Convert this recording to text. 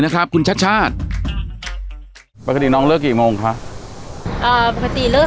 ครับคุณชาติชาติปกติน้องเลิกกี่โมงคะอ่าปกติเลิก